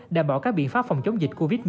đều thay đổi tích cực